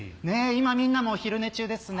今みんなもお昼寝中ですね。